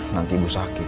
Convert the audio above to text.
nanti ibu sakit